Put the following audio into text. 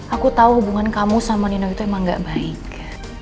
aku tahu hubungan kamu sama nino itu emang gak baik